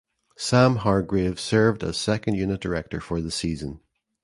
Sam Hargrave served as second unit director for the season.